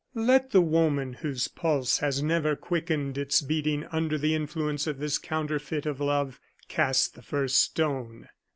Let the woman whose pulse has never quickened its beating under the influence of this counterfeit of love, cast the first stone.